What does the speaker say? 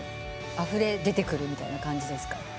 あふれ出てくるみたいな感じですか？